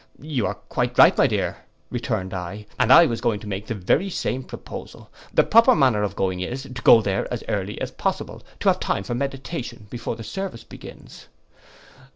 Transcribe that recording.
'You are quite right, my dear,' returned I, 'and I was going to make the very same proposal. The proper manner of going is, to go there as early as possible, to have time for meditation before the service begins.